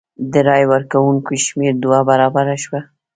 د رای ورکوونکو شمېر دوه برابره شو.